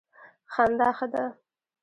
خندا ښه ده.